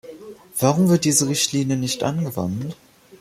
Warum wird diese Richtlinie nicht angewandt?